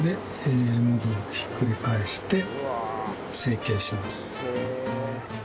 でひっくり返して成形します。